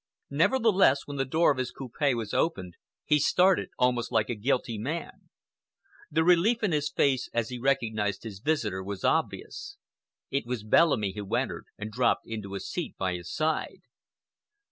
Nevertheless, when the door of his coupe was opened, he started almost like a guilty man. The relief in his face as he recognized his visitor was obvious. It was Bellamy who entered and dropped into a seat by his side.